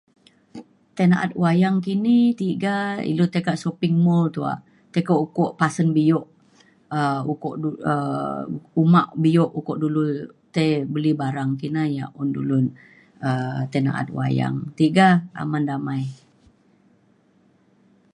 tai na’at wayang kini tiga ilu tai kak shopping mall tuak tai kak ukok pasen bio um ukok dulu um uma bio ukok dulu tai beli barang kina ia’ yak un dulu um tai na’at wayang tiga aman damai